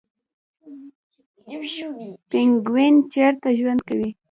پینګوین چیرته ژوند کوي؟